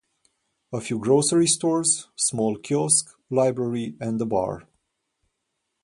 A few grocery stores, small kiosk, library and a bar.